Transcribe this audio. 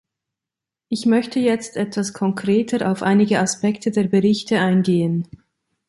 Ich möchte jetzt etwas konkreter auf einige Aspekte der Berichte eingehen.